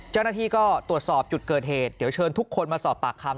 เจ้าหน้าที่ก็ตรวจสอบจุดเกิดเหตุเดี๋ยวเชิญทุกคนมาสอบปากคำ